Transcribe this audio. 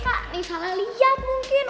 kakak nih salah liat mungkin